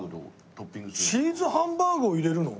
チーズハンバーグを入れるの？